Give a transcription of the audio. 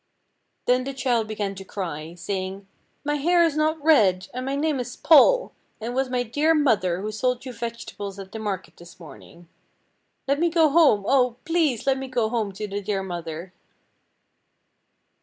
Then the child began to cry, saying, "My hair is not red, and my name is Paul, and it was my dear mother who sold you vegetables at the market this morning. Let me go home, oh! please let me go home to the dear mother."